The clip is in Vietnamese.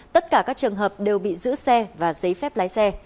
tất cả các trường hợp đều bị giữ xe và giấy phép lái xe